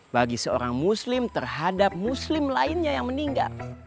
bagi seorang muslim terhadap muslim lainnya yang meninggal